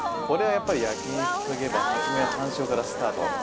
これはやっぱりからスタート